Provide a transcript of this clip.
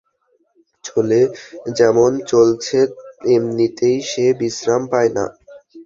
যেমন চলছে, এমনিতেই সে বিশ্রাম পায় না।